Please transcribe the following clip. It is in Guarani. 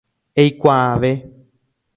Eikuaave.